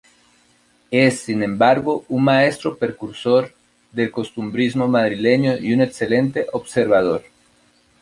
Es sin embargo un maestro precursor del costumbrismo madrileño y un excelente observador.